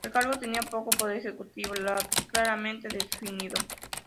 El cargo tenía poco poder ejecutivo claramente definido.